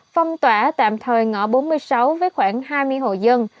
phong tỏa tạm thời ngõ bốn mươi sáu với khoảng hai mươi hộ dân